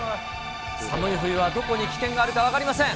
寒い冬はどこに危険があるか分かりません。